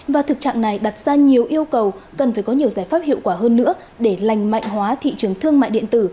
và thực trạng này đặt ra nhiều yêu cầu cần phải có nhiều giải pháp hiệu quả hơn nữa để lành mạnh hóa thị trường thương mại điện tử